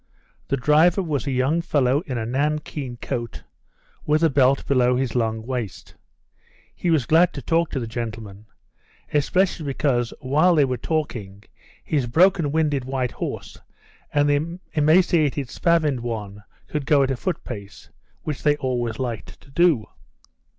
The driver was a young fellow in a nankeen coat, with a belt below his long waist. He was glad to talk to the gentleman, especially because while they were talking his broken winded white horse and the emaciated spavined one could go at a foot pace, which they always liked to do.